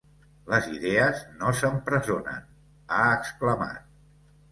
Les idees no s’empresonen, ha exclamat.